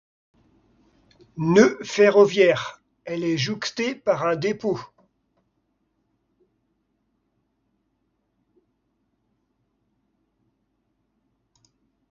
Nœud ferroviaire, elle est jouxtée par un dépôt.